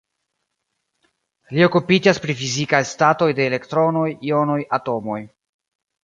Li okupiĝas pri fizikaj statoj de elektronoj, jonoj, atomoj.